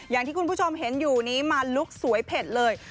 อย่างที่คุณผู้ชมเห็นอยู่นี้มาลุคสวยเผ็ดเลย